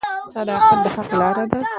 • صداقت د حق لاره ده.